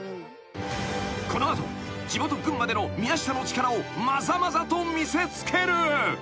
［この後地元群馬での宮下の力をまざまざと見せつける］